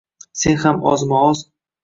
Sen ham ozma-oz